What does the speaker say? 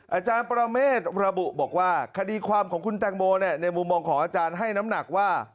อาจารย์ประเมฆระบุบอกว่าคดีความของคุณแตงโมในมุมมองของอาจารย์ให้น้ำหนักว่า